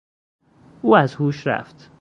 او از هوش رفت.